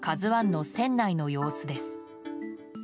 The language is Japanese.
「ＫＡＺＵ１」の船内の様子です。